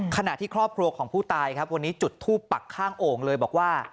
ขณะที่ครอบครัวของผู้ตายครับวันนี้จุดทูปปักข้างโอ่งเลยบอกว่า